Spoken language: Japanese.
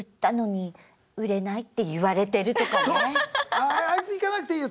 あああいついかなくていいよ